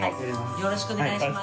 よろしくお願いします。